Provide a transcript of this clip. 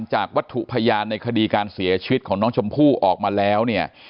จากวัตถุพยานในคดีการเสียชีวิตของน้องชมพู่ออกมาแล้วเนี่ย